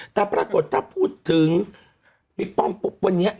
แต่ปรากฏถ้าพูดถึงบิ๊กป้อมปุ๊บวันนี้